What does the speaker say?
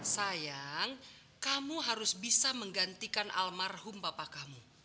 sayang kamu harus bisa menggantikan almarhum bapak kamu